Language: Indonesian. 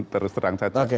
terus terang saja